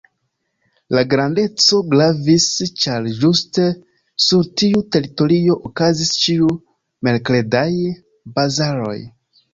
La grandeco gravis, ĉar ĝuste sur tiu teritorio okazis ĉiu-merkredaj bazaroj.